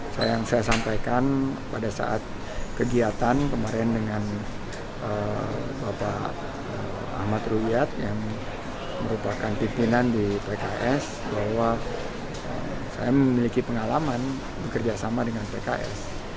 saya yang saya sampaikan pada saat kegiatan kemarin dengan bapak ahmad ruyat yang merupakan pimpinan di pks bahwa saya memiliki pengalaman bekerjasama dengan pks